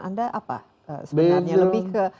anda apa sebenarnya lebih ke